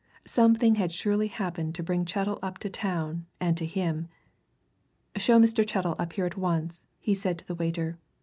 Something had surely happened to bring Chettle up to town and to him. "Show Mr. Chettle up here at once," he said to the waiter.